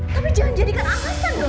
tapi jangan jadikan angkatan dong